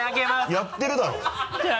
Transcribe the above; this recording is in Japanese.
やってるだろ？